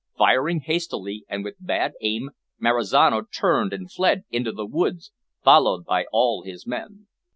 Firing hastily, and with bad aim, Marizano turned and fled into the woods, followed by all his men.